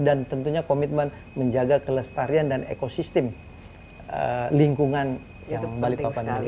dan tentunya komitmen menjaga kelestarian dan ekosistem lingkungan balikpapan